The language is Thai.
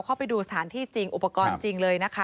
เข้าไปดูสถานที่จริงอุปกรณ์จริงเลยนะคะ